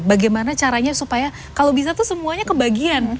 bagaimana caranya supaya kalau bisa tuh semuanya kebagian